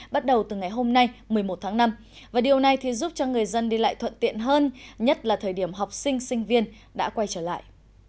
bắt đầu từ ngày hôm nay một mươi một tháng năm và điều này thì giúp cho người dân đi lại thuận tiện hơn nhất là thời điểm học sinh sinh viên đã quay trở lại